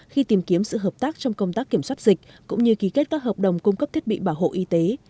khi tìm kiếm sự hợp tác trong công tác kiểm soát dịch cũng như ký kết các hợp đồng cung cấp thiết bị bảo hộ y tế